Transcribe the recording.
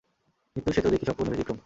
কিন্তু সে তো দেখি সম্পূর্ণ ব্যাতিক্রম!